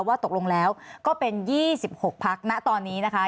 ว่าตกลงแล้วก็เป็น๒๖พักณตอนนี้นะคะ